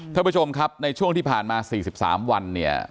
ท่านผู้ชมครับในช่วงที่ผ่านมา๔๓วันเนี่ย